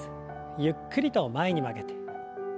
ゆっくりと前に曲げて。